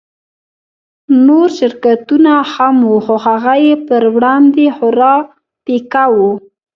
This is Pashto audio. نور شرکتونه هم وو خو هغه يې پر وړاندې خورا پيکه وو.